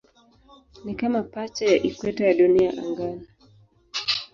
Ni kama pacha ya ikweta ya Dunia angani.